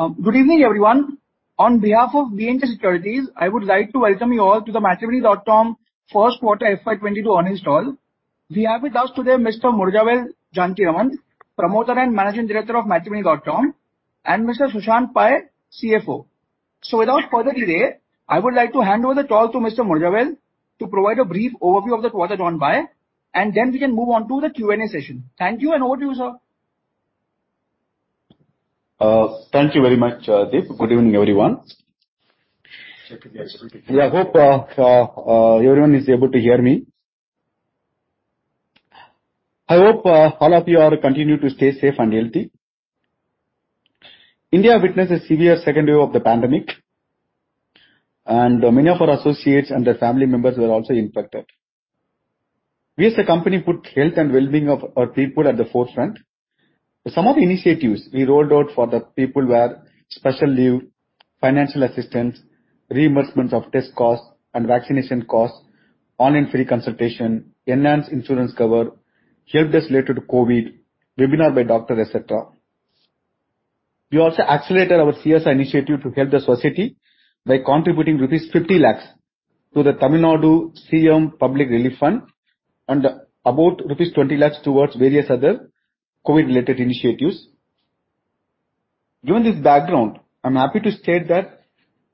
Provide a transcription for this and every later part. Good evening everyone. On behalf of B&K Securities, I would like to welcome you all to the Matrimony.com first quarter FY 2022 earnings call. We have with us today Mr. Murugavel Janakiraman, Promoter and Managing Director of Matrimony.com, and Mr. Sushanth Pai, CFO. Without further delay, I would like to hand over the call to Mr. Murugavel to provide a brief overview of the quarter gone by, and then we can move on to the Q&A session. Thank you, and over to you, sir. Thank you very much, Deep. Good evening, everyone. Hope everyone is able to hear me. I hope all of you are continue to stay safe and healthy. India witnessed a severe second wave of the pandemic, and many of our associates and their family members were also infected. We as a company put health and well-being of our people at the forefront. Some of the initiatives we rolled out for the people were special leave, financial assistance, reimbursement of test costs and vaccination costs, online free consultation, enhanced insurance cover, helpdesk related to COVID, webinar by doctors, et cetera. We also accelerated our CSR initiative to help the society by contributing rupees 50 lakhs to the Tamil Nadu Chief Minister's Public Relief Fund and about rupees 20 lakhs towards various other COVID-related initiatives. Given this background, I'm happy to state that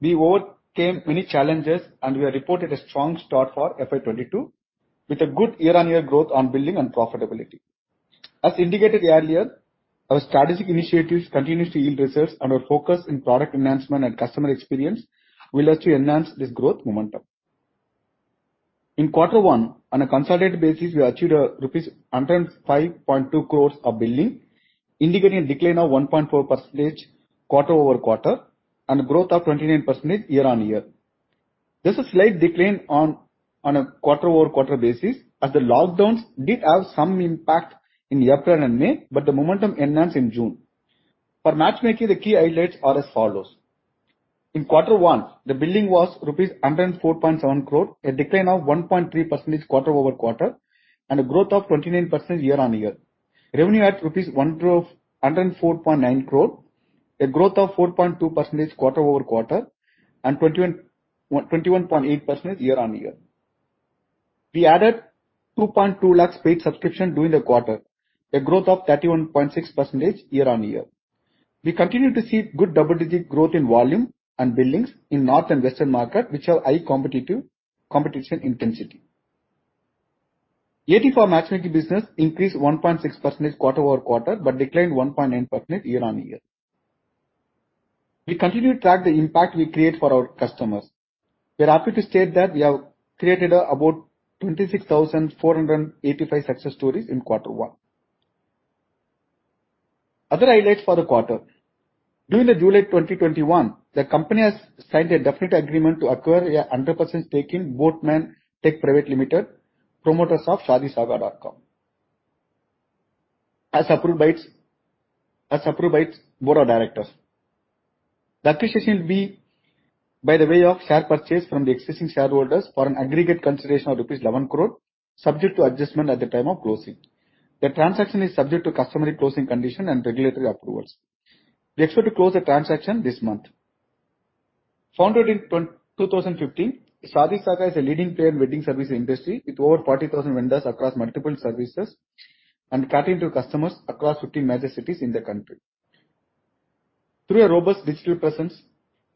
we overcame many challenges and we have reported a strong start for FY 2022 with a good year-on-year growth on billing and profitability. As indicated earlier, our strategic initiatives continues to yield results and our focus in product enhancement and customer experience will also enhance this growth momentum. In quarter one, on a consolidated basis, we achieved rupees 105.2 crores of billing, indicating a decline of 1.4% quarter-over-quarter and a growth of 29% year-on-year. There's a slight decline on a quarter-over-quarter basis as the lockdowns did have some impact in April and May, but the momentum enhanced in June. For matchmaking, the key highlights are as follows. In quarter one, the billing was rupees 104.7 crore, a decline of 1.3% quarter-over-quarter, a growth of 29% year-on-year. Revenue at rupees 104.9 crore, a growth of 4.2% quarter-over-quarter and 21.8% year-on-year. We added 2.2 lakh paid subscription during the quarter, a growth of 31.6% year-on-year. We continue to see good double-digit growth in volume and billings in North and Western market, which have high competition intensity. ATV for matchmaking business increased 1.6% quarter-over-quarter, declined 1.9% year-on-year. We continue to track the impact we create for our customers. We are happy to state that we have created about 26,485 success stories in quarter one. Other highlights for the quarter. During the July 2021, the company has signed a definite agreement to acquire 100% stake in Boatman Tech Private Limited, promoters of ShaadiSaga.com, as approved by its board of directors. The acquisition will be by the way of share purchase from the existing shareholders for an aggregate consideration of rupees 11 crore, subject to adjustment at the time of closing. The transaction is subject to customary closing condition and regulatory approvals. We expect to close the transaction this month. Founded in 2015, ShaadiSaga is a leading player in wedding service industry with over 40,000 vendors across multiple services, catering to customers across 15 major cities in the country. Through a robust digital presence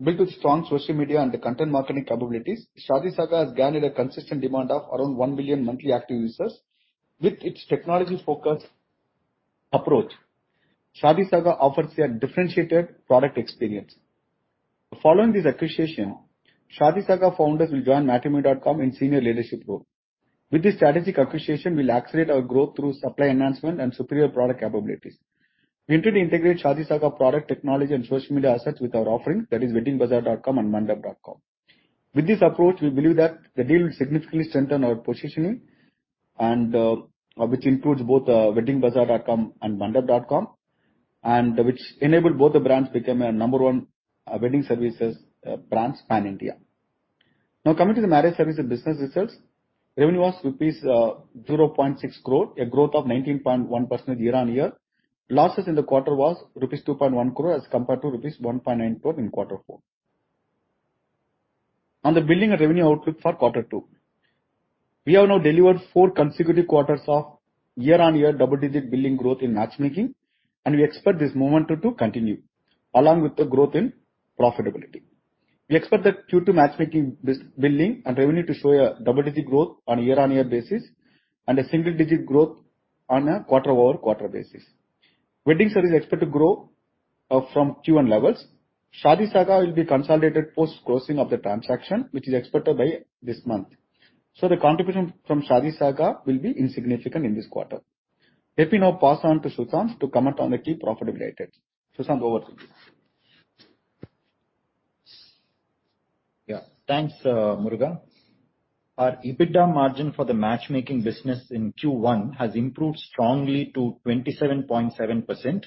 built with strong social media and the content marketing capabilities, ShaadiSaga has garnered a consistent demand of around 1 million monthly active users. With its technology-focused approach, ShaadiSaga offers a differentiated product experience. Following this acquisition, ShaadiSaga founders will join Matrimony.com in senior leadership role. With this strategic acquisition, we'll accelerate our growth through supply enhancement and superior product capabilities. We intend to integrate ShaadiSaga product technology and social media assets with our offering, that is WeddingBazaar.com and Mandap.com. With this approach, we believe that the deal will significantly strengthen our positioning, which includes both WeddingBazaar.com and Mandap.com, and which enable both the brands become a number one wedding services brands pan-India. Now coming to the marriage services business results. Revenue was rupees 0.6 crore, a growth of 19.1% year-on-year. Losses in the quarter was rupees 2.1 crore as compared to rupees 1.9 crore in quarter four. On the billing and revenue outlook for quarter two. We have now delivered four consecutive quarters of year-on-year double-digit billing growth in matchmaking. We expect this momentum to continue, along with the growth in profitability. We expect that Q2 matchmaking billing and revenue to show a double-digit growth on a year-on-year basis and a single-digit growth on a quarter-on-quarter basis. Wedding services expect to grow from Q1 levels. ShaadiSaga will be consolidated post-closing of the transaction, which is expected by this month. The contribution from ShaadiSaga will be insignificant in this quarter. Let me now pass on to Sushanth to comment on the key profitability items. Sushanth, over to you. Thanks, Muruga. Our EBITDA margin for the matchmaking business in Q1 has improved strongly to 27.7%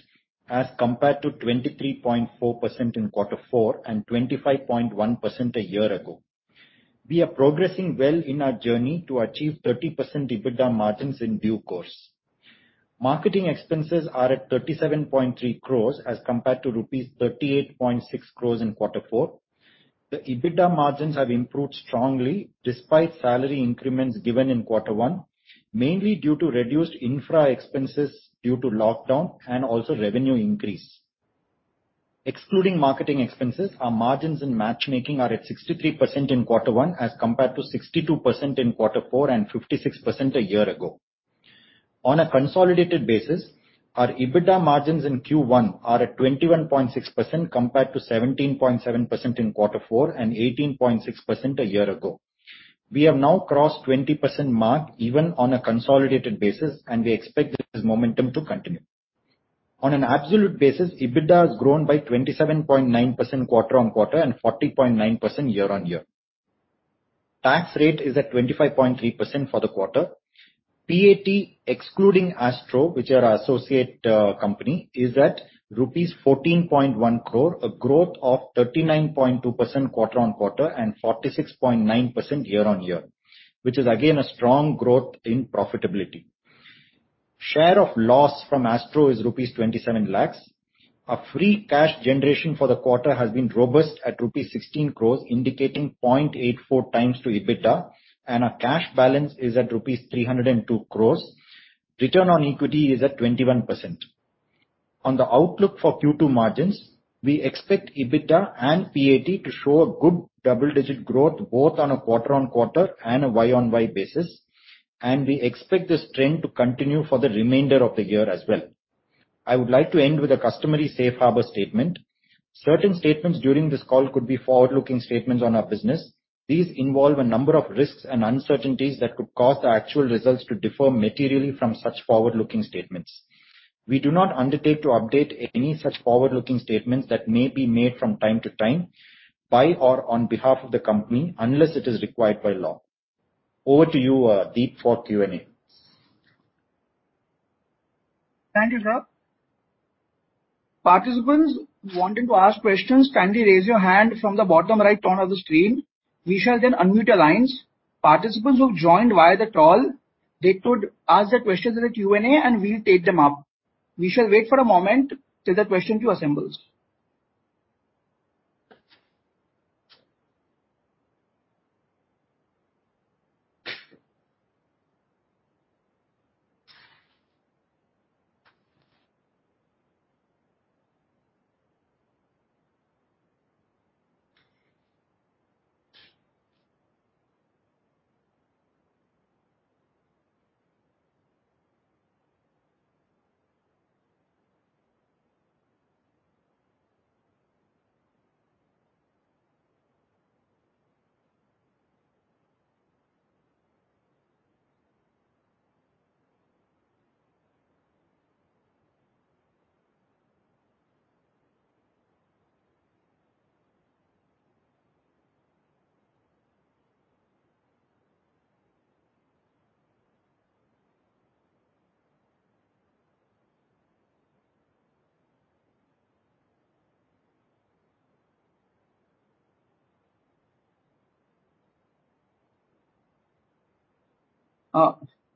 as compared to 23.4% in Q4 and 25.1% a year ago. We are progressing well in our journey to achieve 30% EBITDA margins in due course. Marketing expenses are at 37.3 crores as compared to rupees 38.6 crores in quarter four. The EBITDA margins have improved strongly despite salary increments given in quarter one, mainly due to reduced infra expenses due to lockdown and also revenue increase. Excluding marketing expenses, our margins in matchmaking are at 63% in quarter one as compared to 62% in quarter four and 56% a year ago. On a consolidated basis, our EBITDA margins in Q1 are at 21.6% compared to 17.7% in Qquarter four and 18.6% a year ago. We have now crossed 20% mark even on a consolidated basis, and we expect this momentum to continue. On an absolute basis, EBITDA has grown by 27.9% quarter-on-quarter and 40.9% year-on-year. Tax rate is at 25.3% for the quarter. PAT excluding Astro, which are associate company, is at rupees 14.1 crore, a growth of 39.2% quarter-on-quarter and 46.9% year-on-year, which is again a strong growth in profitability. Share of loss from Astro is rupees 27 lakhs. Our free cash generation for the quarter has been robust at rupees 16 crores, indicating 0.84x to EBITDA, and our cash balance is at rupees 302 crores. Return on equity is at 21%. On the outlook for Q2 margins, we expect EBITDA and PAT to show a good double-digit growth both on a quarter-on-quarter and a Y-on-Y basis. We expect this trend to continue for the remainder of the year as well. I would like to end with a customary safe harbor statement. Certain statements during this call could be forward-looking statements on our business. These involve a number of risks and uncertainties that could cause the actual results to differ materially from such forward-looking statements. We do not undertake to update any such forward-looking statements that may be made from time to time by or on behalf of the company unless it is required by law. Over to you, Deep, for Q&A. Thank you, sir. Participants wanting to ask questions, kindly raise your hand from the bottom right corner of the screen. We shall then unmute your lines. Participants who've joined via the call, they could ask their questions in the Q&A and we'll take them up. We shall wait for a moment till the question queue assembles.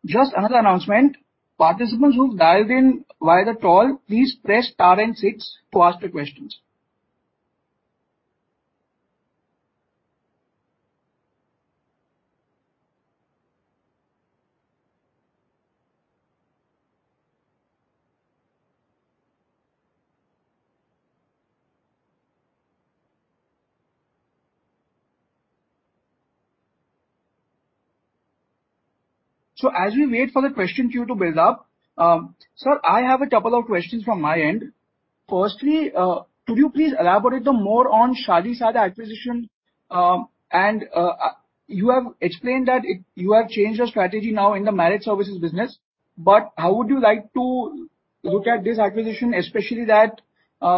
Just another announcement. Participants who've dialed in via the call, please press star and six to ask the questions. As we wait for the question queue to build up, sir, I have a couple of questions from my end. Firstly, could you please elaborate more on ShaadiSaga acquisition? You have explained that you have changed your strategy now in the marriage services business, but how would you like to look at this acquisition, especially that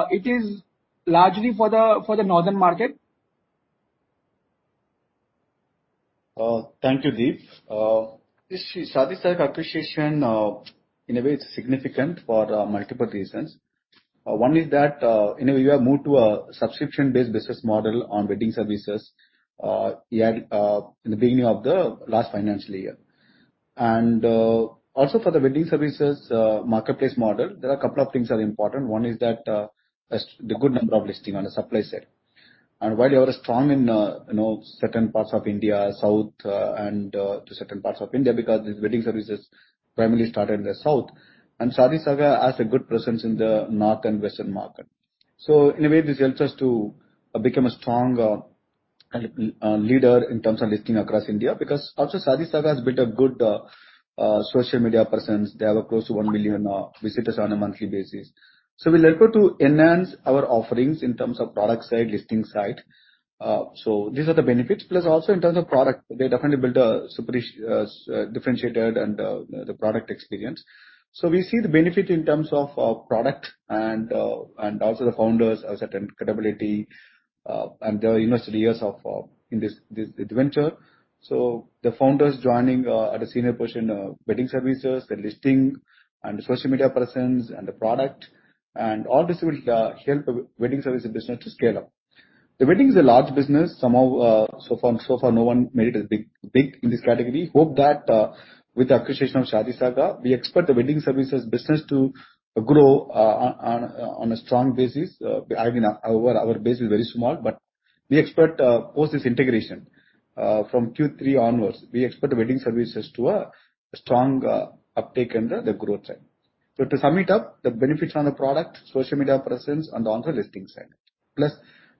it is largely for the northern market? Thank you, Deep. ShaadiSaga acquisition, in a way, it's significant for multiple reasons. One is that, we have moved to a subscription-based business model on wedding services in the beginning of the last financial year. Also for the wedding services marketplace model, there are a couple of things that are important. One is that, the good number of listing on the supply side. While we are strong in certain parts of India, south and to certain parts of India, because these wedding services primarily started in the south. ShaadiSaga has a good presence in the north and western market. In a way, this helps us to become a strong leader in terms of listing across India, because also ShaadiSaga has built a good social media presence. They have close to 1 million visitors on a monthly basis. We look to enhance our offerings in terms of product side, listing side. These are the benefits. Plus also in terms of product, they definitely built a differentiated product experience. We see the benefit in terms of product and also the founders have certain credibility, and they have years in this venture. The founder is joining at a senior position, wedding services, the listing and social media presence and the product, and all this will help the wedding services business to scale up. The wedding is a large business. Somehow, so far, no one made it as big in this category. Hope that with the acquisition of ShaadiSaga, we expect the wedding services business to grow on a strong basis. Our base is very small, but we expect post this integration, from Q3 onwards, we expect the wedding services to a strong uptake under the growth side. To sum it up, the benefits on the product, social media presence, and on the listing side, plus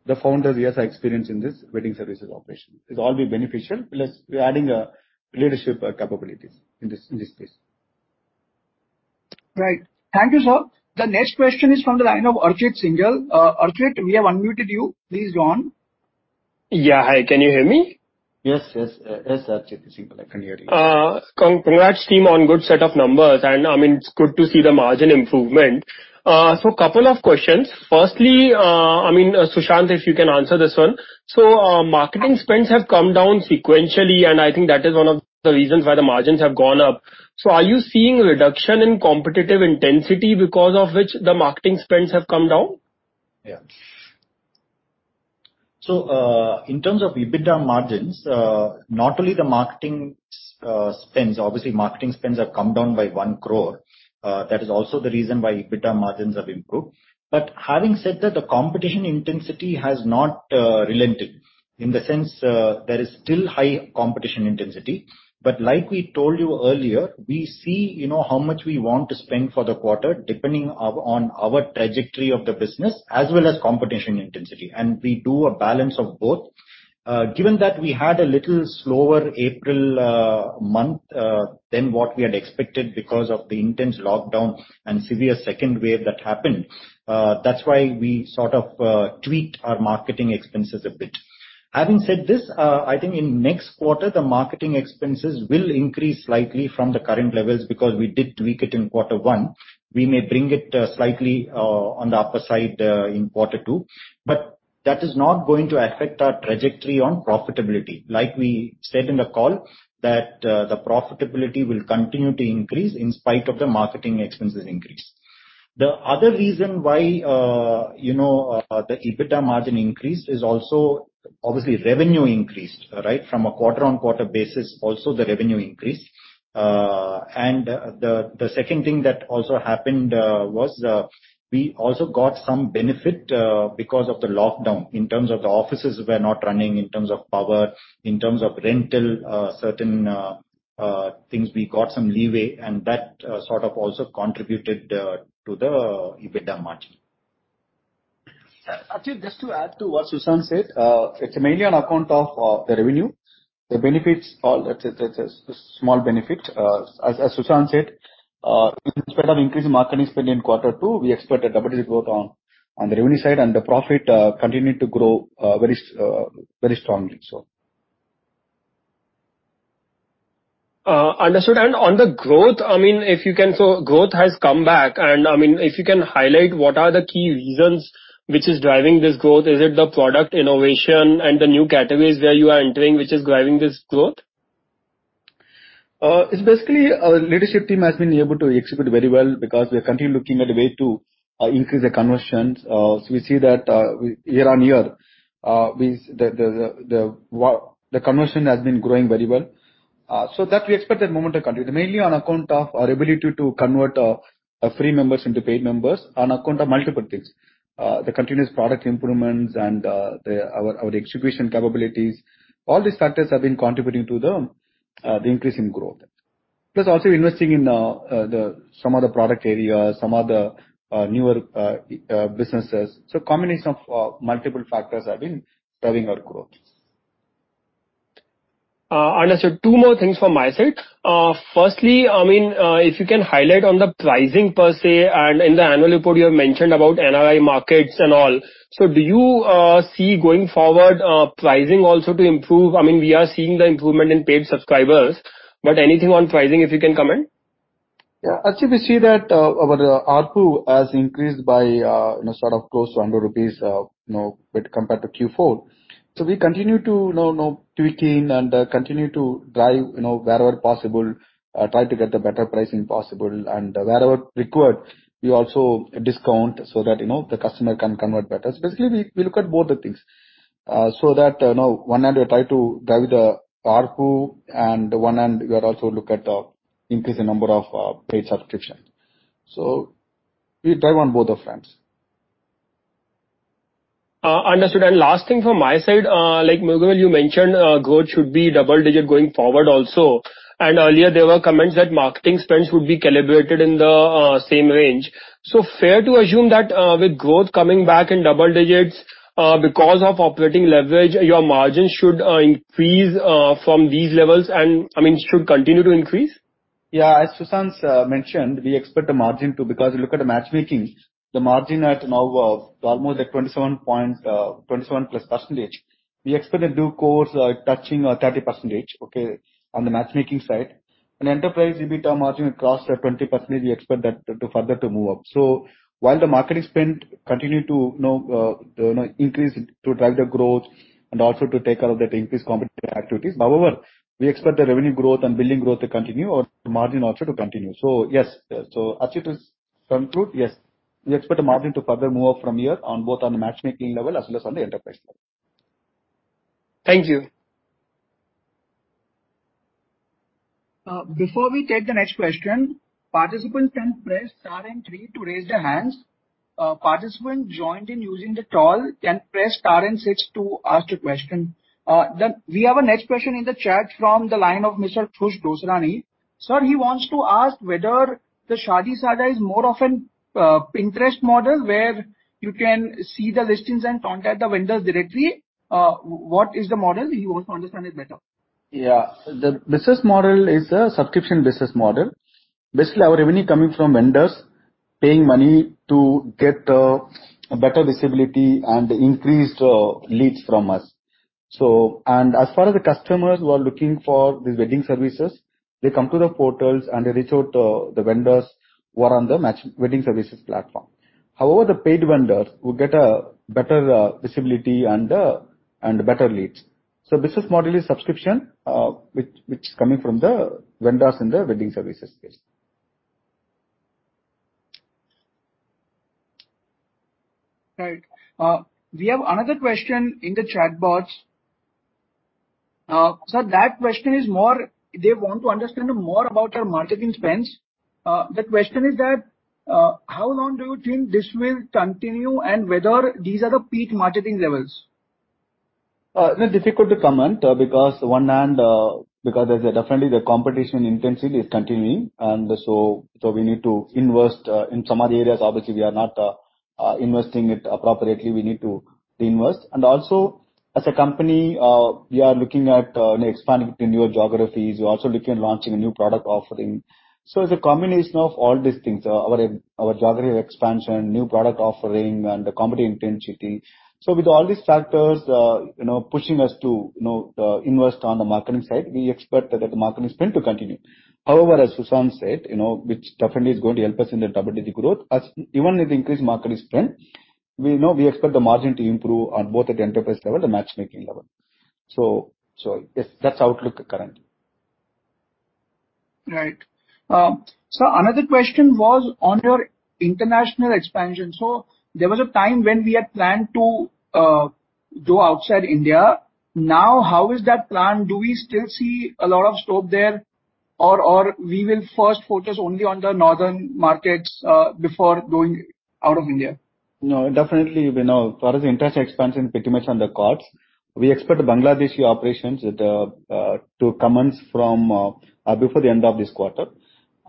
the founder years of experience in this wedding services operation. This all will be beneficial. We're adding leadership capabilities in this space. Right. Thank you, sir. The next question is from the line of Archit Singhal. Archit, we have unmuted you. Please go on. Yeah. Hi, can you hear me? Yes, Archit Singhal, I can hear you. Congrats, team, on good set of numbers, and it's good to see the margin improvement. A couple of questions. Firstly, Sushant, if you can answer this one. Marketing spends have come down sequentially, and I think that is one of the reasons why the margins have gone up. Are you seeing a reduction in competitive intensity because of which the marketing spends have come down? In terms of EBITDA margins, not only the marketing spends. Obviously, marketing spends have come down by 1 crore. That is also the reason why EBITDA margins have improved. Having said that, the competition intensity has not relented. In the sense, there is still high competition intensity. Like we told you earlier, we see how much we want to spend for the quarter depending on our trajectory of the business as well as competition intensity. We do a balance of both. Given that we had a little slower April month than what we had expected because of the intense lockdown and severe second wave that happened, that's why we sort of tweaked our marketing expenses a bit. Having said this, I think in next quarter, the marketing expenses will increase slightly from the current levels because we did tweak it in quarter one. We may bring it slightly on the upper side in quarter two. That is not going to affect our trajectory on profitability. Like we said in the call, that the profitability will continue to increase in spite of the marketing expenses increase. The other reason why the EBITDA margin increased is also, obviously revenue increased. From a quarter-on-quarter basis also the revenue increased. The second thing that also happened was we also got some benefit because of the lockdown in terms of the offices were not running, in terms of power, in terms of rental. Certain things we got some leeway and that sort of also contributed to the EBITDA margin. Archit, just to add to what Sushant said. It's mainly on account of the revenue. The benefits are small benefits. As Sushant said, in spite of increasing marketing spend in quarter two, we expect a double-digit growth on the revenue side and the profit continue to grow very strongly so. Understood. On the growth, so growth has come back and if you can highlight what are the key reasons which is driving this growth. Is it the product innovation and the new categories where you are entering which is driving this growth? It's basically our leadership team has been able to execute very well because we are continually looking at a way to increase the conversions. We see that year-on-year, the conversion has been growing very well. That we expect that momentum to continue. Mainly on account of our ability to convert free members into paid members on account of multiple things. The continuous product improvements and our execution capabilities. All these factors have been contributing to the increase in growth. Also investing in some other product areas, some other newer businesses. Combination of multiple factors have been driving our growth. Understood. Two more things from my side. Firstly, if you can highlight on the pricing per se, and in the annual report you have mentioned about NRI markets and all. Do you see going forward pricing also to improve? We are seeing the improvement in paid subscribers, but anything on pricing if you can comment? Archit, we see that our ARPU has increased by sort of close to 100 rupees when compared to Q4. We continue to tweaking and continue to drive wherever possible, try to get the better pricing possible, and wherever required, we also discount so that the customer can convert better. Basically, we look at both the things. That on one hand we try to drive the ARPU, and one hand we are also look at increase the number of paid subscription. We drive on both the fronts. Understood. Last thing from my side. Like Muruga, you mentioned growth should be double-digit going forward also. Earlier there were comments that marketing spends would be calibrated in the same range. Fair to assume that with growth coming back in double-digits because of operating leverage, your margin should increase from these levels and should continue to increase? As Sushant mentioned, we expect the margin to, because look at the matchmaking, the margin at now almost at 27%+. We expect that due course touching 30% on the matchmaking side. An enterprise EBITDA margin will cross at 20%. We expect that to further move up. While the marketing spend continue to increase to drive the growth and also to take care of that increased competitive activities. However, we expect the revenue growth and billing growth to continue or the margin also to continue. Yes. As it is conclude, yes, we expect the margin to further move up from here on both on the matchmaking level as well as on the enterprise level. Thank you. Before we take the next question. Participants can press star and three to raise your hand. Participants joined in using the toll can press star and six to ask your question. We have a next question in the chat from the line of Mr. Khush Gosrani. Sir, he wants to ask whether the ShaadiSaga is more of an Pinterest model where you can see the listings and contact the vendors directly. What is the model? He wants to understand it better. Yeah. The business model is a subscription business model. Basically, our revenue coming from vendors paying money to get a better visibility and increased leads from us. As far as the customers who are looking for these wedding services, they come to the portals and they reach out to the vendors who are on the wedding services platform. However, the paid vendors will get a better visibility and better leads. Business model is subscription, which is coming from the vendors in the wedding services space. Right. We have another question in the chat box. Sir, that question is they want to understand more about your marketing spends. The question is that, how long do you think this will continue and whether these are the peak marketing levels? It's difficult to comment, because on one hand there's definitely the competition intensity is continuing, and so we need to invest. In some other areas, obviously, we are not investing it appropriately. We need to invest. As a company, we are looking at expanding into new geographies. We're also looking at launching a new product offering. It's a combination of all these things, our geographic expansion, new product offering, and the competition intensity. With all these factors pushing us to invest on the marketing side, we expect that the marketing spend to continue. However, as Sushant said, which definitely is going to help us in the double-digit growth, even with increased marketing spend, we expect the margin to improve on both at the enterprise level and the matchmaking level. Yes, that's outlook currently. Right. Sir, another question was on your international expansion. There was a time when we had planned to go outside India. Now, how is that plan? Do we still see a lot of scope there or we will first focus only on the northern markets before going out of India? No, definitely, as far as the international expansion, pretty much on the cards. We expect the Bangladeshi operations to commence from before the end of this quarter.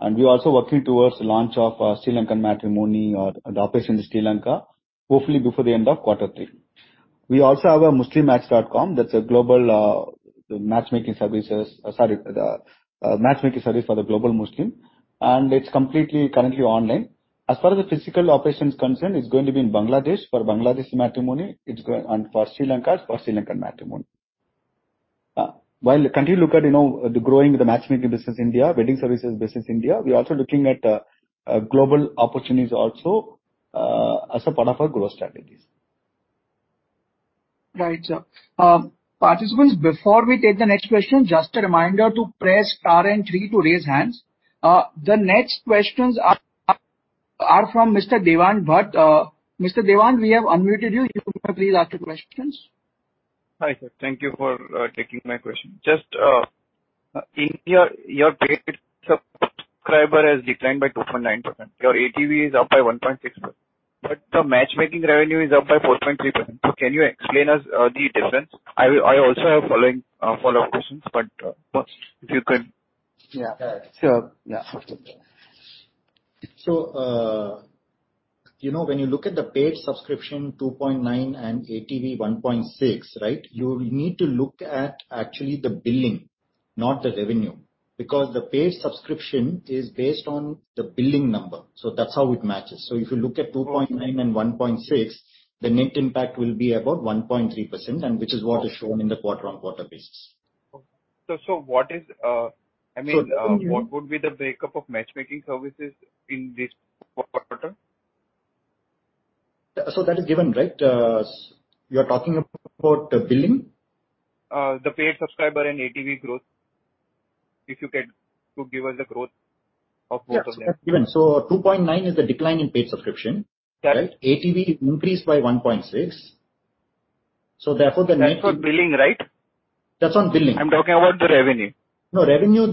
We're also working towards the launch of Sri Lankan Matrimony or the operation in Sri Lanka, hopefully before the end of quarter three. We also have a MuslimMatch.com that's a matchmaking service for the global Muslim, and it's completely currently online. As far as the physical operation is concerned, it's going to be in Bangladesh for Bangladeshi Matrimony, and for Sri Lanka, for Sri Lankan Matrimony. While we continue to look at the growing the matchmaking business India, wedding services business India, we are also looking at global opportunities also as a part of our growth strategies. Right, sir. Participants, before we take the next question, just a reminder to press star and three to raise hands. The next questions are from Mr. Devang Bhatt. Mr. Devang, we have unmuted you. You may please ask your questions. Hi, sir. Thank you for taking my question. Just in your paid subscriber has declined by 2.9%. Your ATV is up by 1.6%, but the matchmaking revenue is up by 4.3%. Can you explain us the difference? I also have follow-up questions, but first, if you could. Yeah, sure. When you look at the paid subscription, 2.9% and ATV 1.6%, right. You need to look at actually the billing, not the revenue, because the paid subscription is based on the billing number. That's how it matches. If you look at 2.9% and 1.6%, the net impact will be about 1.3%, and which is what is shown in the quarter-over-quarter basis. Okay. what would be the breakup of matchmaking services in this quarter? That is given, right? You're talking about billing? The paid subscriber and ATV growth. If you could give us the growth of both of them. Yeah. That's given. 2.9% is the decline in paid subscription. Got it. Right? ATV increased by 1.6%. therefore the net. That's for billing, right? That's on billing. I'm talking about the revenue. No, revenue,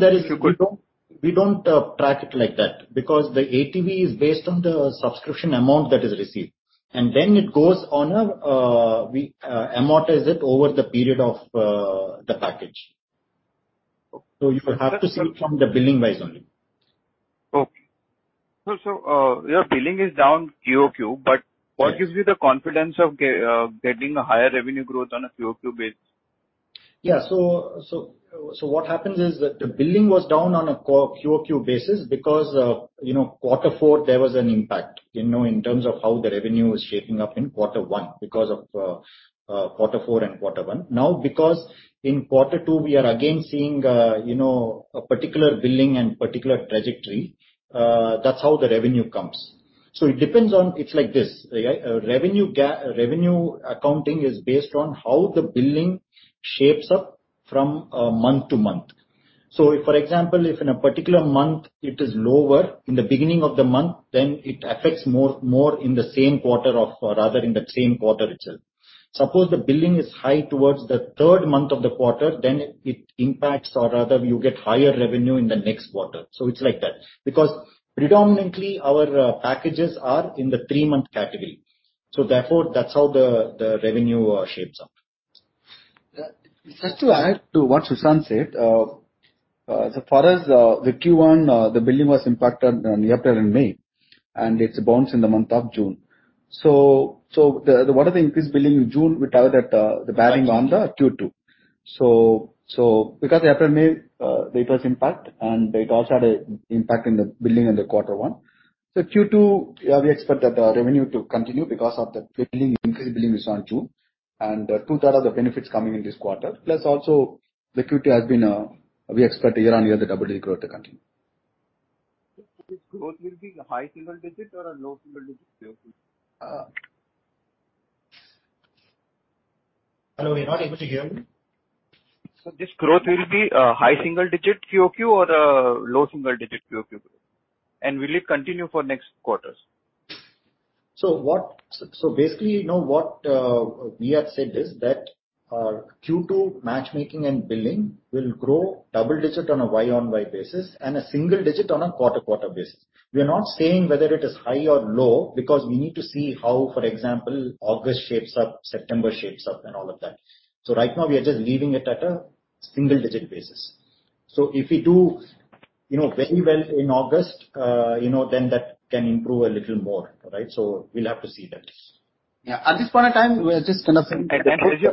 we don't track it like that because the ATV is based on the subscription amount that is received, and then it goes on a, we amortize it over the period of the package. Okay. You have to see it from the billing wise only. Okay. Your billing is down QOQ, but what gives you the confidence of getting a higher revenue growth on a QOQ base? Yeah. What happens is that the billing was down on a QOQ basis because quarter four, there was an impact in terms of how the revenue was shaping up in quarter one because of quarter four and quarter one. Because in quarter two, we are again seeing a particular billing and particular trajectory, that's how the revenue comes. It's like this. Revenue accounting is based on how the billing shapes up from month to month. For example, if in a particular month it is lower in the beginning of the month, then it affects more in the same quarter, or rather in that same quarter itself. Suppose the billing is high towards the third month of the quarter, then it impacts or rather you get higher revenue in the next quarter. It's like that. Predominantly our packages are in the three-month category. Therefore, that's how the revenue shapes up. Just to add to what Sushant said. For us, the Q1, the billing was impacted in April and May, and it bounced in the month of June. The whatever increased billing in June, we target at the bearing on the Q2. Because April, May, it was impact, and it also had a impact in the billing in the quarter one. Q2, we expect that the revenue to continue because of the billing, increased billing we saw in June. Two-third of the benefits coming in this quarter. We expect year-on-year the double-digit growth to continue. This growth will be high single digit or a low single digit QOQ? Hello, we're not able to hear you. This growth will be high single digit QOQ or a low single digit QOQ? Will it continue for next quarters? Basically, now what we have said is that our Q2 matchmaking and billing will grow double-digit on a Y-on-Y basis and a single-digit on a quarter-on-quarter basis. We are not saying whether it is high or low because we need to see how, for example, August shapes up, September shapes up, and all of that. Right now we are just leaving it at a single-digit basis. If we do very well in August, then that can improve a little more. Right? We'll have to see that. Yeah. At this point of time, we are just kind of. I can hear you.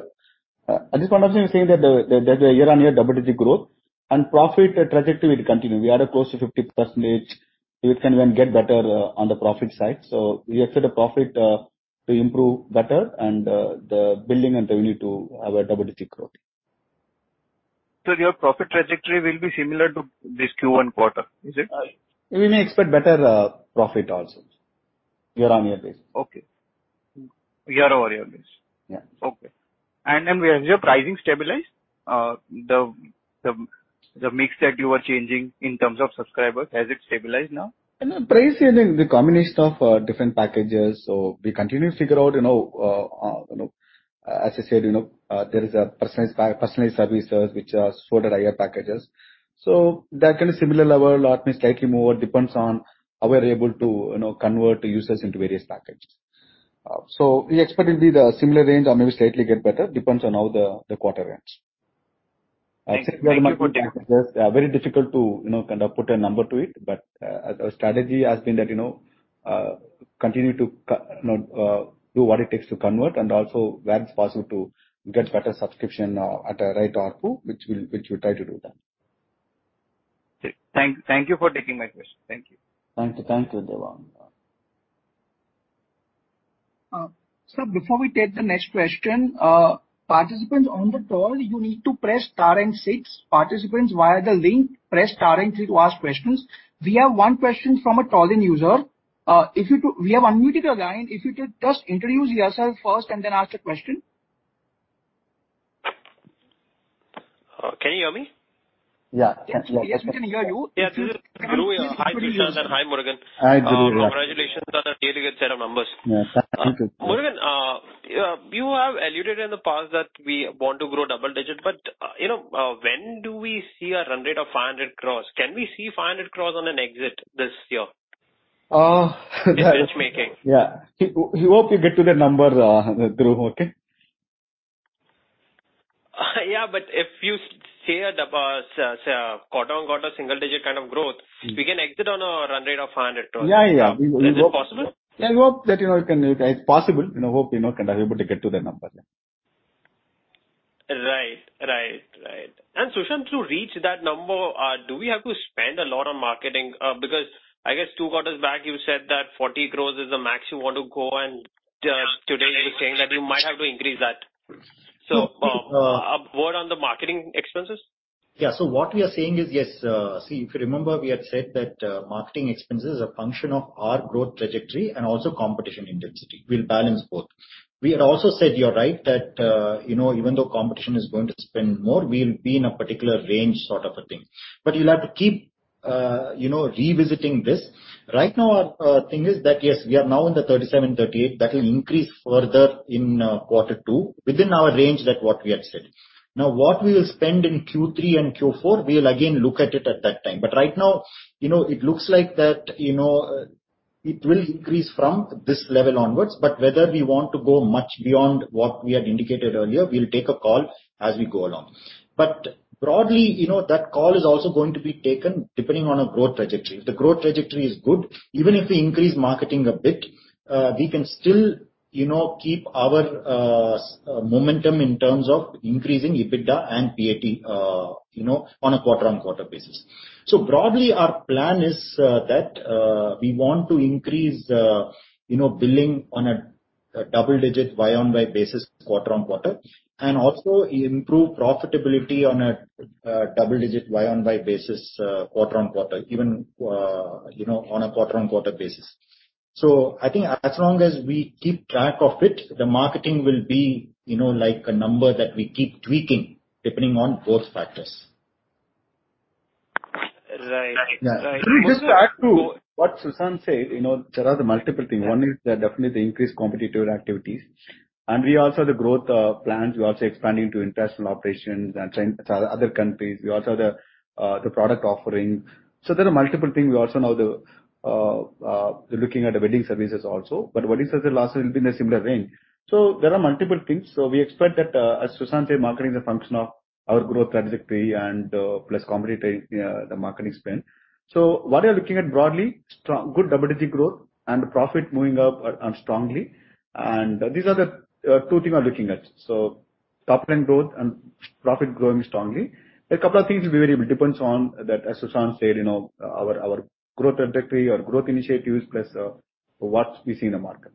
At this point of time, we're saying that the year-on-year double-digit growth and profit trajectory will continue. We are at close to 50%. It can even get better on the profit side. We expect the profit to improve better and the billing and revenue to have a double-digit growth. Your profit trajectory will be similar to this Q1 quarter, is it? We may expect better profit also year-on-year basis. Okay. Year-over-year basis. Yes. Okay. Then has your pricing stabilized? The mix that you were changing in terms of subscribers, has it stabilized now? The pricing, the combination of different packages. We continue to figure out. As I said, there is a personalized services which are sold at higher packages. That kind of similar level or at least slightly more, depends on how we are able to convert users into various packages. We expect it be the similar range or maybe slightly get better, depends on how the quarter ends. Thank you for that. Very difficult to kind of put a number to it. Our strategy has been that continue to do what it takes to convert and also where it's possible to get better subscription at a right ARPU, which we'll try to do that. Okay. Thank you for taking my question. Thank you. Thank you. Sir, before we get to next question. Participants on the phone, you need to press star and six. Participants on the link, press star and three to ask questions. We have one question from a toll-in user. We have unmuted your line. If you could just introduce yourself first and then ask the question. Can you hear me? Yeah. Yes, we can hear you. Yeah. This is Guru. Hi, Sushant. Hi, Muruga. Hi, Guru. Congratulations on a really good set of numbers. Thank you. Murugavel, you have alluded in the past that we want to grow double digit. When do we see a run rate of 500 crores? Can we see 500 crores on an exit this year? Oh In matchmaking. Yeah. We hope we get to that number, Guru. Okay? Yeah, if you say a quarter-on-quarter single-digit kind of growth. We can exit on a run rate of 500 crores. Yeah. Is this possible? Yeah, we hope that it's possible. Hope we able to get to that number, yeah. Right. Sushant, to reach that number, do we have to spend a lot on marketing? I guess two quarters back you said that 40 crore is the max you want to go and today you're saying that you might have to increase that. A word on the marketing expenses? What we are saying is, See, if you remember, we had said that marketing expenses are function of our growth trajectory and also competition intensity. We'll balance both. We had also said, you're right, that even though competition is going to spend more, we'll be in a particular range sort of a thing. You'll have to keep revisiting this. Right now, our thing is that, yes, we are now in the 37 crore-38 crore. That will increase further in quarter two within our range that what we had said. What we will spend in Q3 and Q4, we'll again look at it at that time. Right now, it looks like that it will increase from this level onwards, but whether we want to go much beyond what we had indicated earlier, we'll take a call as we go along. Broadly, that call is also going to be taken depending on our growth trajectory. If the growth trajectory is good, even if we increase marketing a bit, we can still keep our momentum in terms of increasing EBITDA and PAT on a quarter-on-quarter basis. Broadly, our plan is that we want to increase billing on a double-digit Y-on-Y basis, quarter-on-quarter, and also improve profitability on a double-digit Y-on-Y basis, quarter-on-quarter, even on a quarter-on-quarter basis. I think as long as we keep track of it, the marketing will be a number that we keep tweaking depending on both factors. Right. Yeah. Just to add to what Sushant said, there are multiple things. One is definitely the increased competitive activities. We also have the growth plans. We're also expanding to international operations and other countries. We also have the product offering. There are multiple things. We also now are looking at the wedding services also. Wedding services also will be in a similar range. There are multiple things. We expect that, as Sushant said, marketing is a function of our growth trajectory and plus competitive marketing spend. What we are looking at broadly, good double-digit growth and profit moving up strongly. These are the two things we're looking at. Top-line growth and profit growing strongly. A couple of things will be variable, depends on that, as Sushant said, our growth trajectory or growth initiatives plus what we see in the market.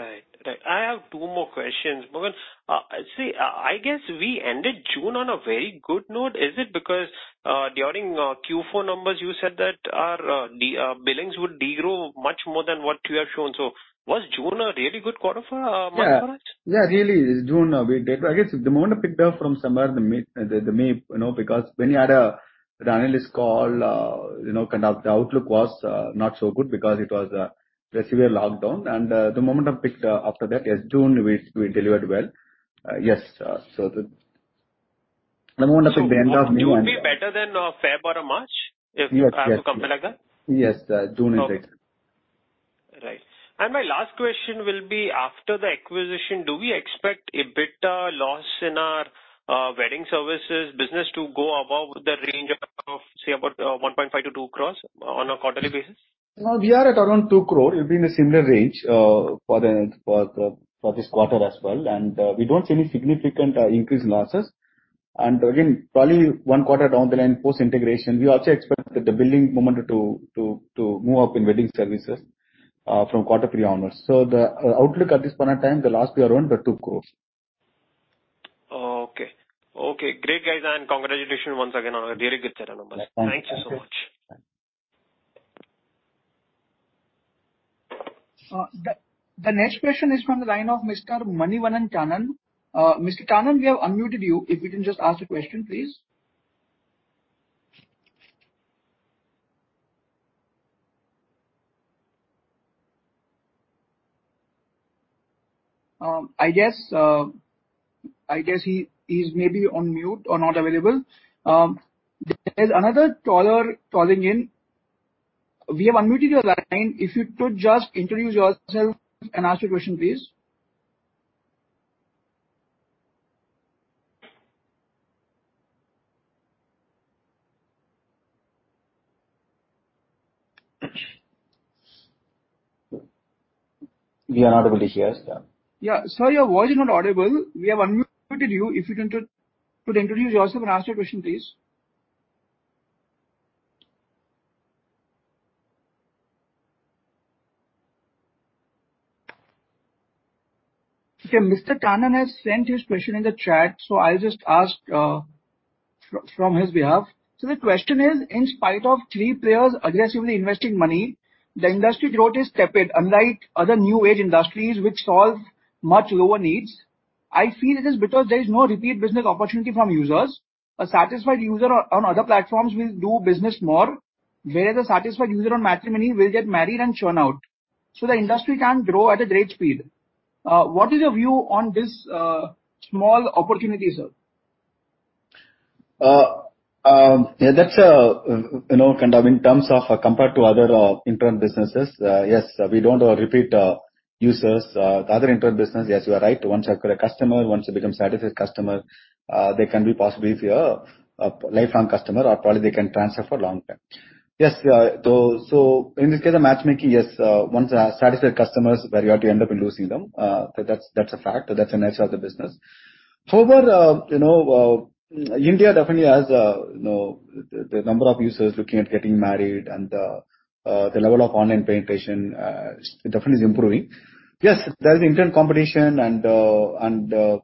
Right. I have two more questions. Murugavel, I guess we ended June on a very good note. Is it because during Q4 numbers, you said that our billings would degrow much more than what we have shown. Was June a really good quarter for Match? Yeah. Really, June, we did. I guess the momentum picked up from somewhere in the May, because when you had the analyst call, the outlook was not so good because it was a severe lockdown. The momentum picked up after that. Yes, June we delivered well. Yes. The momentum picked up in June. June will be better than February-March, if you have to compare like that? Yes. June is better. Okay. Right. My last question will be after the acquisition, do we expect EBITDA loss in our wedding services business to go above the range of, say, about 1.5 crore-2 crores on a quarterly basis? No, we are at around 2 crore. It'll be in a similar range for this quarter as well. We don't see any significant increase in losses. Again, probably one quarter down the line post-integration, we also expect the billing momentum to move up in wedding services from quarter three onwards. The outlook at this point of time, the loss will be around 2 crore. Okay. Great, guys, congratulations once again on a very good set of numbers. Thank you. Thank you so much. Thank you. The next question is from the line of Mr. Manivannan Kannan. Mr. Kannan, we have unmuted you. If you can just ask the question, please. I guess he's maybe on mute or not available. There's another caller calling in. We have unmuted your line. If you could just introduce yourself and ask your question, please. We are not able to hear, sir. Yeah. Sir, your voice is not audible. We have unmuted you. If you could introduce yourself and ask your question, please. Okay, Mr. Kannan has sent his question in the chat, so I'll just ask from his behalf. The question is, in spite of three players aggressively investing money, the industry growth is tepid unlike other new-age industries which solve much lower needs. I feel it is because there is no repeat business opportunity from users. A satisfied user on other platforms will do business more, whereas a satisfied user on Matrimony will get married and churn out. The industry can't grow at a great speed. What is your view on this small opportunity, sir? That's in terms of compared to other internet businesses. Yes, we don't have repeat users. The other internet business, yes, you are right. Once you acquire a customer, once they become a satisfied customer, they can be possibly be a lifelong customer, or probably they can transfer for a long time. Yes. In this case, Matrimony, yes, once a satisfied customer is where you have to end up losing them. That's a fact. That's the nature of the business. However, India definitely has the number of users looking at getting married and the level of online penetration definitely is improving. Yes, there is internet competition and there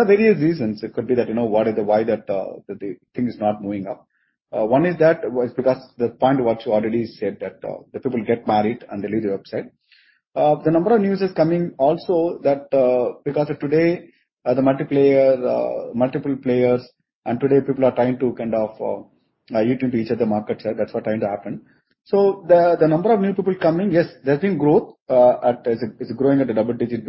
are various reasons. It could be that why the thing is not moving up. One is that because the point what you already said, that the people get married and they leave the website. The number of users coming also that because today the multiple players and today people are trying to eat into each other market share. That's what's trying to happen. The number of new people coming, yes, there's been growth. It's growing at a double-digit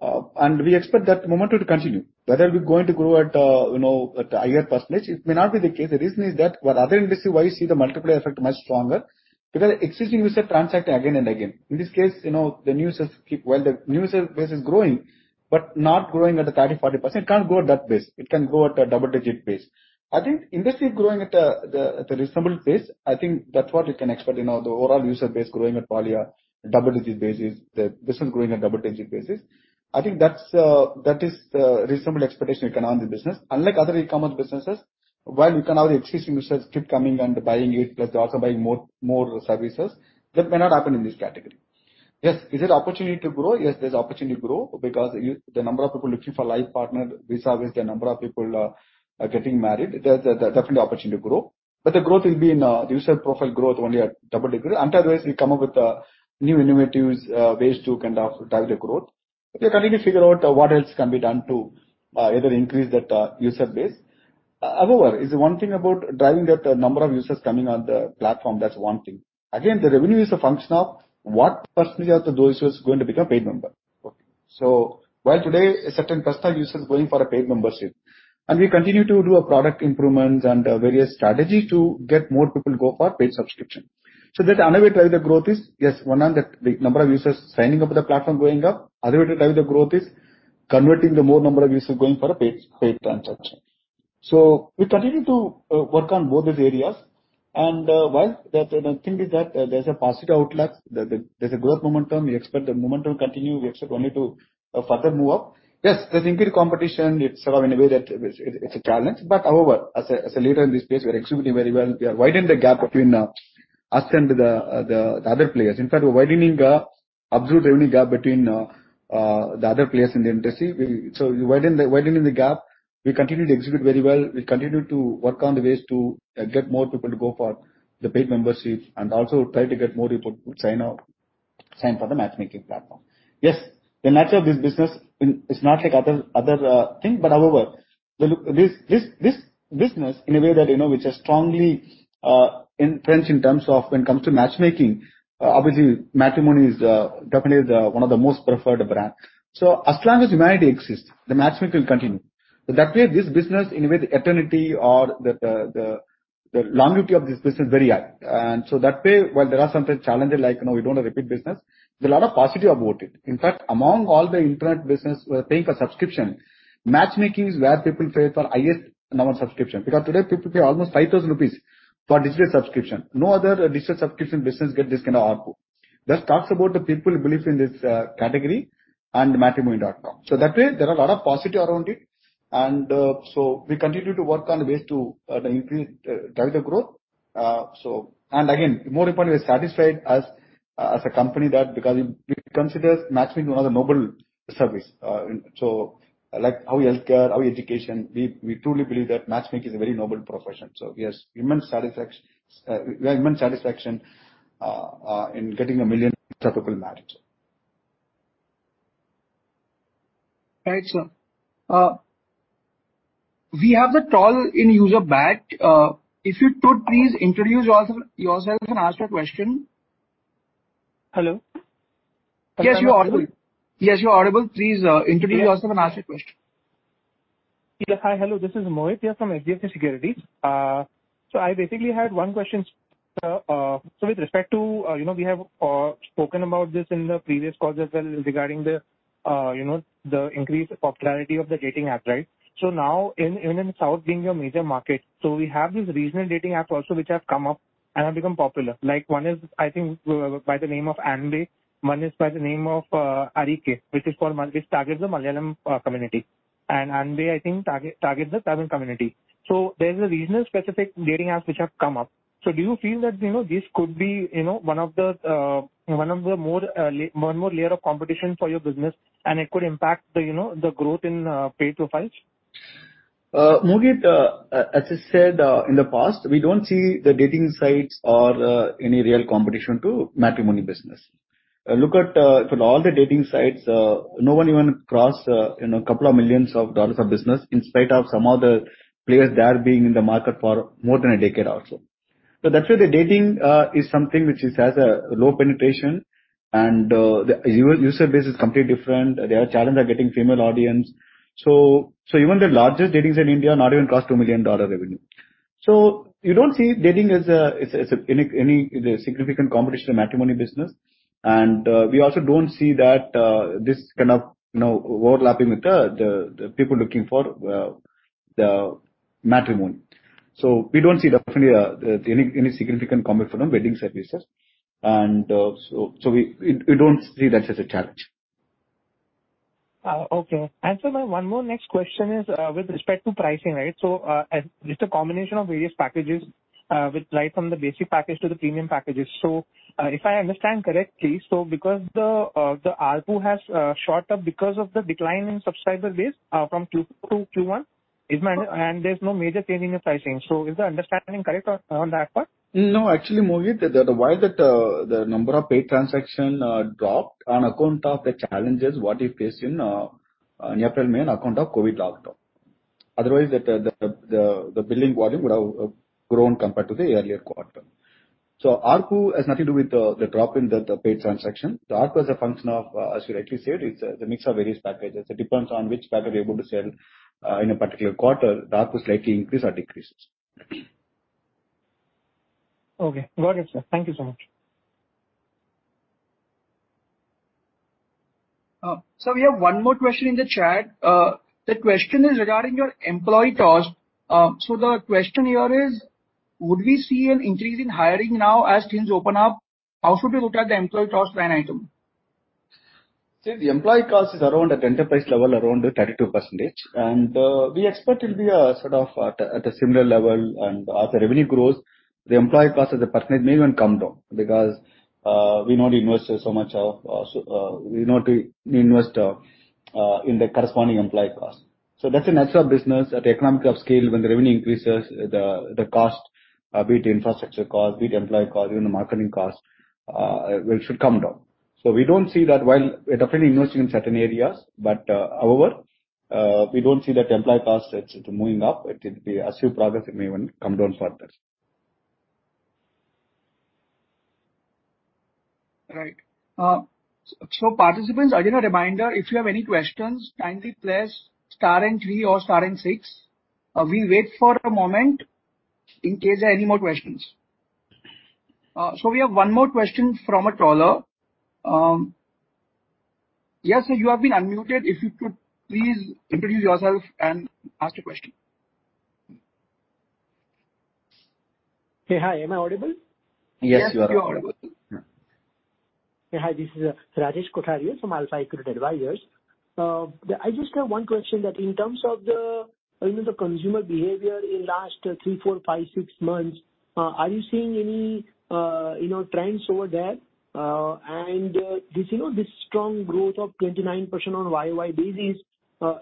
basis. We expect that momentum to continue. Whether we're going to grow at a higher percentage, it may not be the case. The reason is that what other industry why you see the multiplier effect much stronger, because existing users are transacting again and again. In this case, while the user base is growing, but not growing at the 30%, 40%. It can't grow at that pace. It can grow at a double-digit pace. I think industry is growing at a reasonable pace. I think that's what you can expect, the overall user base growing at probably a double-digit basis. This one growing at double-digit basis. I think that is a reasonable expectation you can have in the business. Unlike other e-commerce businesses, while you can have the existing users keep coming and buying it, plus they're also buying more services, that may not happen in this category. Yes. Is there opportunity to grow? Yes, there's opportunity to grow because the number of people looking for life partner vis-à-vis the number of people getting married. There's definitely opportunity to grow. The growth will be in user profile growth only at double-digit. Until otherwise, we come up with new innovative ways to drive the growth. We're trying to figure out what else can be done to either increase that user base. However, it's one thing about driving that number of users coming on the platform, that's one thing. Again, the revenue is a function of what percentage of those users are going to become paid members. While today a certain percentage of users are going for a paid membership, and we continue to do product improvements and various strategies to get more people to go for paid subscription. Another way to drive the growth is, yes, one, the number of users signing up to the platform going up. Other way to drive the growth is converting more number of users going for a paid transaction. We continue to work on both these areas. While the thing is that there's a positive outlook, there's a growth momentum. We expect the momentum continue. We expect only to further move up. Yes, there's increased competition. It's a challenge. However, as a leader in this space, we are executing very well. We are widening the gap between us and the other players. In fact, we're widening absolute revenue gap between the other players in the industry. Widening the gap, we continue to execute very well. We continue to work on the ways to get more people to go for the paid membership. Also try to get more people to sign up for the matchmaking platform. Yes, the nature of this business is not like other thing, but however, this business, in a way that we're just strongly entrenched in terms of when it comes to matchmaking. Obviously, Matrimony is definitely one of the most preferred brands. As long as humanity exists, the matchmaking will continue. That way, this business in a way, the eternity or the longevity of this business is very high. That way, while there are some challenges, like we don't have repeat business, there are a lot of positive about it. In fact, among all the internet business paying for subscription, matchmaking is where people pay for highest number of subscription, because today people pay almost 5,000 rupees for this subscription. No other digital subscription business gets this kind of ARPU. That talks about the people belief in this category and Matrimony.com. That way, there are a lot of positive around it. We continue to work on ways to increase, drive the growth. Again, more importantly, we're satisfied as a company that because it considers matchmaking as a noble service. Like how healthcare, how education, we truly believe that matchmaking is a very noble profession. We have immense satisfaction in getting 1 million successful marriages. Right, sir. We have a call in user back. If you could please introduce yourself and ask your question. Hello. Yes, you're audible. Please introduce yourself and ask your question. Hi. Hello, this is Mohit from HDFC Securities. I basically had one question, sir. We have spoken about this in the previous calls as well regarding the increased popularity of the dating apps, right? Now, even in South being your major market. We have these regional dating apps also, which have come up and have become popular. One is, I think, by the name of Anbe. One is by the name of Arike, which targets the Malayalam community. Anbe, I think, targets the Tamil community. There's regional specific dating apps which have come up. Do you feel that this could be one of the more layer of competition for your business and it could impact the growth in paid profiles? Mohit, as I said in the past, we don't see the dating sites or any real competition to matrimony business. Look at all the dating sites. No one even crossed $2 million of business in spite of some of the players there being in the market for more than a decade also. That's why the dating is something which has a low penetration and the user base is completely different. Their challenge are getting female audience. Even the largest datings in India not even cross $2 million revenue. You don't see dating as any significant competition to matrimony business. We also don't see that this kind of overlapping with the people looking for the matrimony. We don't see definitely any significant competition from dating services. We don't see that as a challenge. Okay. Sir, my one more next question is with respect to pricing, right. Just a combination of various packages, right from the basic package to the premium packages. If I understand correctly, because the ARPU has shot up because of the decline in subscriber base from Q4 to Q1, and there's no major change in your pricing. Is the understanding correct on that part? No, actually, Mohit, why the number of paid transaction dropped on account of the challenges what we faced in April, May on account of COVID lockdown. Otherwise, the billing volume would have grown compared to the earlier quarter. ARPU has nothing to do with the drop in the paid transaction. The ARPU is a function of, as you rightly said, it's the mix of various packages. It depends on which package we're able to sell in a particular quarter. The ARPU slightly increase or decreases. Okay. Got it, sir. Thank you so much. Sir, we have one more question in the chat. The question is regarding your employee cost. The question here is, would we see an increase in hiring now as things open up? How should we look at the employee cost line item? See, the employee cost is around at enterprise level, around 32%. We expect it'll be at a similar level. As the revenue grows, the employee cost as a percentage may even come down because we not invest in the corresponding employee cost. That's a natural business at economy of scale, when the revenue increases, the cost, be it infrastructure cost, be it employee cost, even the marketing cost, should come down. We don't see that while we're definitely investing in certain areas. However, we don't see that employee cost is moving up. As we progress, it may even come down further. Right. Participants, again, a reminder, if you have any questions, kindly press star and three or star and six. We wait for a moment in case there are any more questions. We have one more question from a caller. Yes, sir, you have been unmuted. If you could please introduce yourself and ask your question. Hey. Hi, am I audible? Yes, you are audible. Yes, you're audible. Hi, this is Rajesh Kothari from AlfAccurate Advisors. I just have one question that in terms of the consumer behavior in last three, four, five, six months, are you seeing any trends over there? This strong growth of 29% on YoY basis,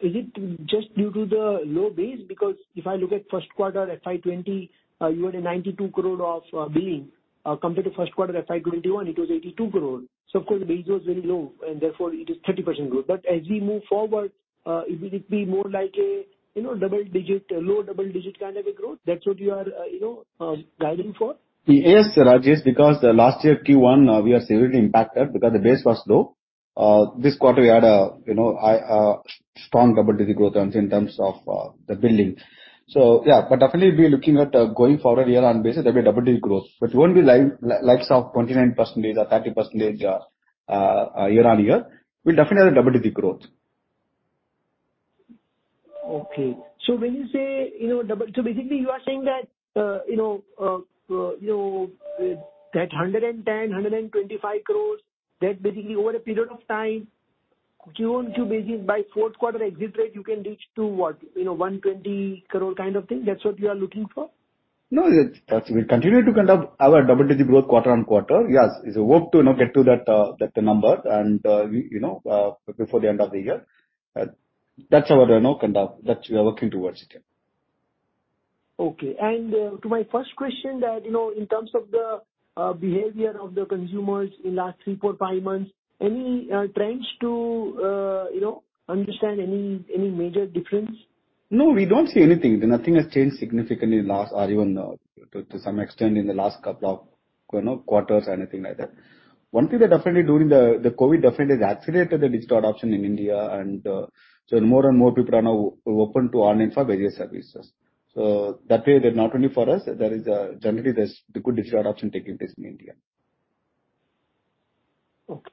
is it just due to the low base? If I look at first quarter FY 2020, you had a 92 crore of billing compared to first quarter FY 2021, it was 82 crore. Of course, the base was very low, and therefore it is 30% growth. As we move forward, will it be more like a low double-digit kind of a growth? That's what you are guiding for? Yes, Rajesh, last year Q1 we are severely impacted because the base was low. This quarter we had a strong double-digit growth in terms of the billing. Definitely we're looking at going forward year-on-year basis, there'll be a double-digit growth. It won't be like 29% or 30% year-on-year. We'll definitely have a double-digit growth. Basically you are saying that 110 crore, 125 crore, that basically over a period of time, QOQ basis by fourth quarter exit rate, you can reach to what? 120 crore kind of thing? That's what you are looking for? No. We'll continue to conduct our double-digit growth quarter-on-quarter. Yes. It's a work to get to that number before the end of the year. That's our commitment that we are working towards it, yeah. Okay. To my first question that, in terms of the behavior of the consumers in last three, four, five months, any trends to understand any major difference? We don't see anything. Nothing has changed significantly or even to some extent in the last couple of quarters or anything like that. One thing that definitely during the COVID has accelerated the digital adoption in India. More and more people are now open to online for various services. That way, not only for us, generally, there's good digital adoption taking place in India. Okay.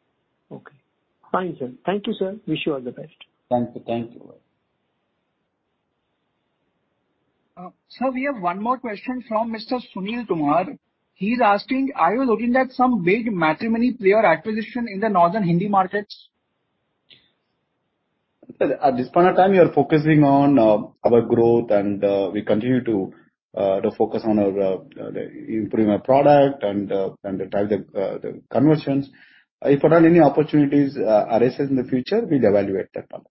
Fine, sir. Thank you, sir. Wish you all the best. Thank you. Sir, we have one more question from Mr. Sunil Tomar. He's asking, are you looking at some big matrimony player acquisition in the northern Hindi markets? At this point of time, we are focusing on our growth, and we continue to focus on improving our product and drive the conversions. If at all any opportunities arise in the future, we'll evaluate that number.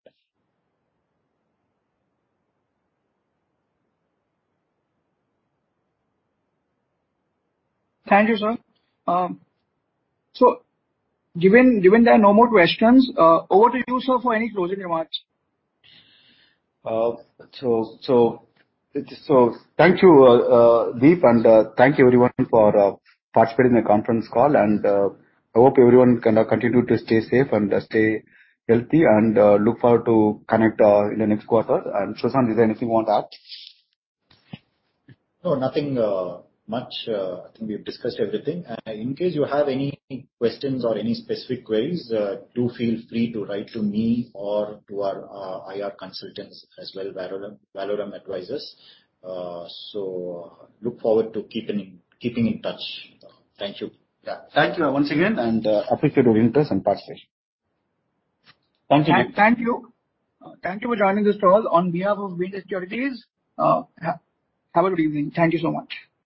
Thank you, sir. Given there are no more questions, over to you, sir, for any closing remarks. Thank you, Deep, and thank you everyone for participating in the conference call, and I hope everyone continue to stay safe and stay healthy and look forward to connect in the next quarter. Sushanth, is there anything you want to add? No, nothing much. I think we've discussed everything. In case you have any questions or any specific queries, do feel free to write to me or to our IR consultants as well, Valorem Advisors. Look forward to keeping in touch. Thank you. Yeah. Thank you once again. Appreciate your interest and participation. Thank you, Deep. Thank you. Thank you for joining this call. On behalf of B&K Securities, have a good evening. Thank you so much.